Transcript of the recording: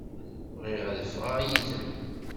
Bɣiɣ ad ffɣeɣ yid-m.